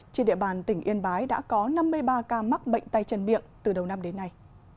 trên địa bàn tỉnh yên bái đã có năm mươi ba ca mắc bệnh tay chân miệng từ đầu năm đến nay